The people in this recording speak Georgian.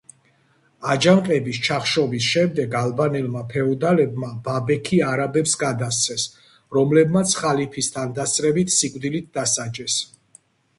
აჯანყების ჩახშობის შემდეგ ალბანელმა ფეოდალებმა ბაბექი არაბებს გადასცეს, რომლებმაც ხალიფის თანდასწრებით სიკვდილით დასაჯეს.